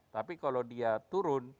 tapi kalau dia turun